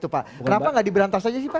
kenapa tidak diberantas saja